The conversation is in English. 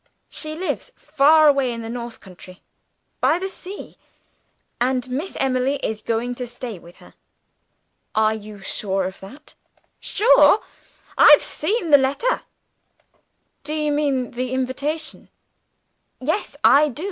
She lives far away in the north country, by the sea; and Miss Emily is going to stay with her." "Are you sure of that?" "Sure? I've seen the letter." "Do you mean the letter of invitation?" "Yes I do.